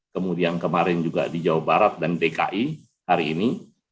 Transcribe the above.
kemudian kemarin juga di jawa barat dan dki hari ini